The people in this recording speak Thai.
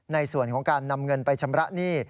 ในส่วนของการนำเงินไปชำระหนี้